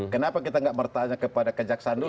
kenapa kita nggak bertanya kepada kejaksaan dulu